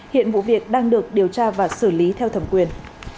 hiện vụ việc đang được điều tra và xử lý theo thẩm quyền